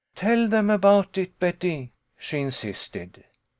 "Tell them about it, Betty," she insisted.